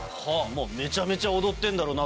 めちゃめちゃ踊ってんだろう